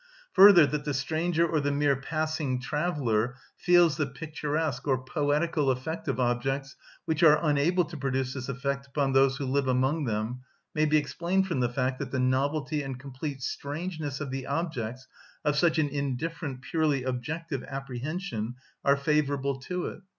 Further, that the stranger or the mere passing traveller feels the picturesque or poetical effect of objects which are unable to produce this effect upon those who live among them may be explained from the fact that the novelty and complete strangeness of the objects of such an indifferent, purely objective apprehension are favourable to it.